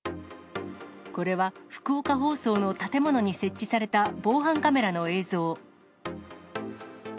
これは福岡放送の建物に設置された防犯カメラの映像。